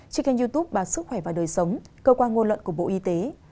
trên kênh youtube bà sức khỏe và đời sống cơ quan ngôn luận của bộ y tế